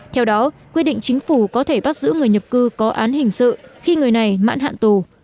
theo đó quy định chính phủ có thể bắt giữ người nhập cư có án hình sự khi người này mãn hạn tù